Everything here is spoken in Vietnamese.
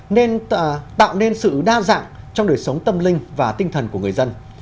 nên tạo nên sự đa dạng trong đời sống tâm linh và tinh thần của người dân